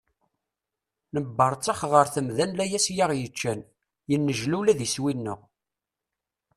Nebberttex ɣer temda n layas i aɣ-yeččan, yennejla ula d iswi-nneɣ.